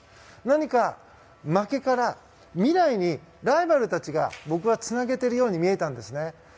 何か、負けから未来にライバルたちが僕はつなげているように見えたんですね。